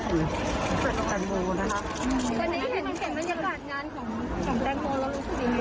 พูดไปก็ไม่เชื่อแล้วก็มาถามเจนทำไมล่ะ